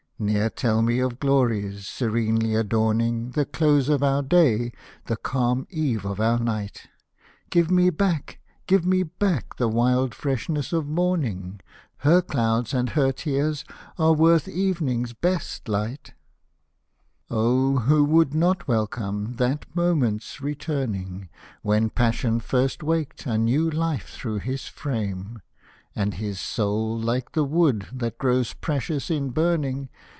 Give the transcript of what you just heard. Ne'er tell me of glories, serenely adorning The close of our day, the calm eve of our night ;— Give me back, give me back the wild freshness of Morning, Her clouds and her tears are worth Evening's best light, Hosted by Google 36 IRISH MELODIES Oh, who would not welcome that moment's returning, When passion first waked a new Hfe thro' his frame, And his soul, like the wood, that grows precious in burning.